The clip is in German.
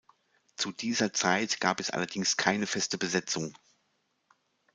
Zu dieser Zeit gab es allerdings keine feste Besetzung.